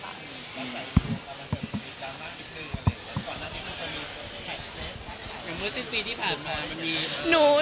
ตอนนี้มันจะมีแท็กเซตอย่างเมื่อ๑๐ปีที่ผ่านมามันมีแท็ก